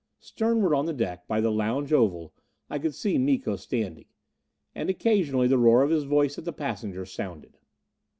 Sternward on the deck, by the lounge oval, I could see Miko standing. And occasionally the roar of his voice at the passengers sounded.